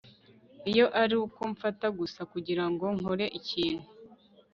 Iyo ari uko mfata gusa kugira ngo nkore ikintu